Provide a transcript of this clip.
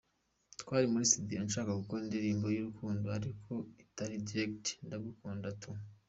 Twari muri studio nshaka gukora indirimbo y’urukundo ariko itari direct ndagukunda tu.